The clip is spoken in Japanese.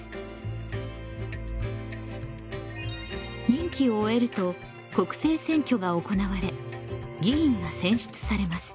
任期を終えると国政選挙が行われ議員が選出されます。